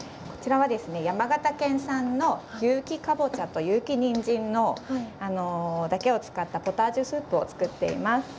こちらはですね山形県産の有機かぼちゃと有機にんじんだけを使ったポタージュスープを作っています。